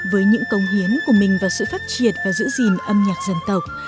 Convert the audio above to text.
với những cống hiến của mình vào sự phát triệt và giữ gìn âm nhạc dân tộc